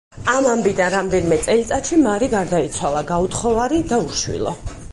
ამ ამბიდან რამდენიმე წელიწადში მარი გარდაიცვალა, გაუთხოვარი და უშვილო.